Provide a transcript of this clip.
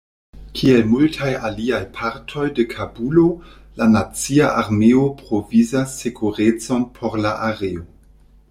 Kiel multaj aliaj partoj de Kabulo, la nacia armeo provizas sekurecon por la areo.